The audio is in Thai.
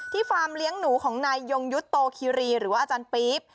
ฟาร์มเลี้ยงหนูของนายยงยุทธ์โตคิรีหรือว่าอาจารย์ปี๊บ